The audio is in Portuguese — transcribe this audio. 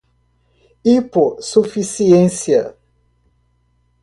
hipossuficiência